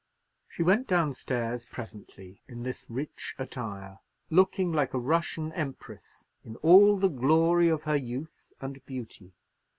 She went down stairs presently in this rich attire, looking like a Russian empress, in all the glory of her youth and beauty.